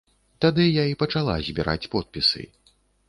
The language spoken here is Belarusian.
Тады я і пачала збіраць подпісы.